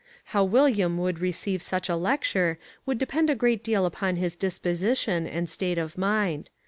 How William would receive such a lecture would depend a great deal upon his disposition and state of mind.